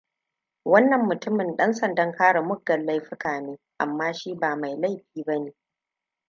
Wannan mutumin dansandan kare muggan laifuka ne, amma shi ba mai laifi bane.